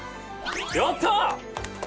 やったー！